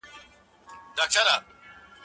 مثبت سیاست د همکارانو ملاتړ زیاتوي.